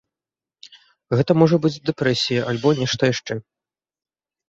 Гэта можа быць дэпрэсія альбо нешта яшчэ.